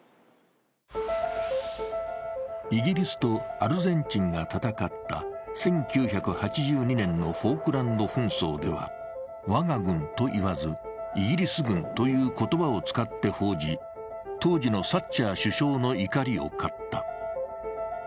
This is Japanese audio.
イギリスとアルゼンチンが戦った１９８２年のフォークランド紛争では、我が軍と言わずイギリス軍という言葉を使って報じ、当時のサッチャー首相の怒りを買った。